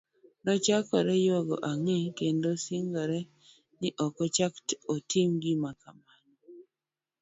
Nochakore yuago ang'e, kendo singore, ni ok ochak otim gima kamano.